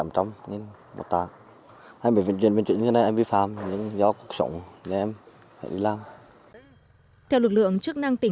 theo lực lượng chức năng tỉnh quảng trị đã triển khai nhiều giải pháp ngăn chặn